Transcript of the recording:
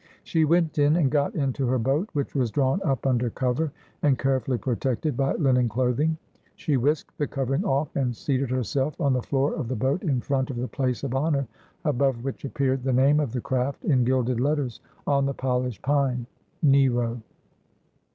She went in and got into her boat, which was drawn up under cover, and carefully protected by linen clothing. She whisked the covering ofE, and seated herself on the floor of the boat in front of the place of honour, above which appeared the name of the craft, in gilded letters on the polished pine —' Nero.'